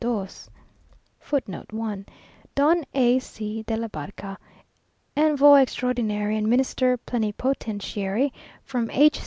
2." [Footnote 1: Don A C de la B , Envoy Extraordinary and Minister Plenipotentiary from H.